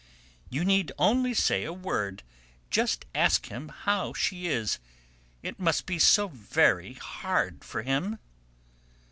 "You need only say a word; just ask him how she is. It must be so very hard for him."